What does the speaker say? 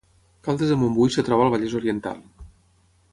Caldes de Montbui es troba al Vallès Oriental